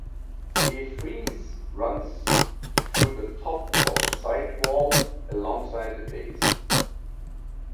A frieze runs through the top of the side wall alongside the base.